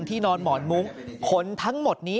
ที่นอนหมอนมุ้งขนทั้งหมดนี้